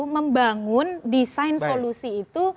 membangun desain solusi itu